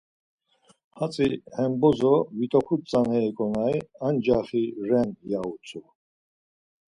Hatzi he bozo vit̆oxut tzaneri ǩonari ancaxi ren, ya utzu.